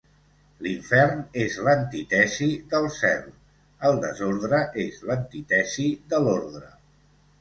L'Infern és l'antítesi del Cel; el desordre és l'antítesi de l'ordre.